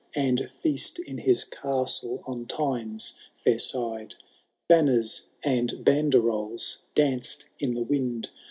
And feast in his castle on Tyne's fair side. Banners and banderols danced in the wind.